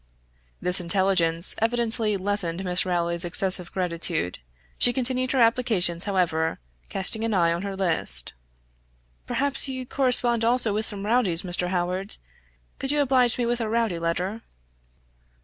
This intelligence evidently lessened Miss Rowley's excessive gratitude. She continued her applications, however, casting an eye on her list. "Perhaps you correspond also with some rowdies, Mr. Howard? Could you oblige me with a rowdy letter?"